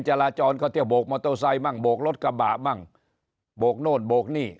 จราจรก็เที่ยวโบกโมโตไซต์บนโบกรถกระบำบนโบกโน่นบนบนนี่